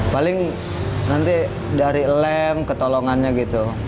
paling nanti dari lem ketolongannya gitu